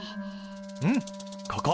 うんここ。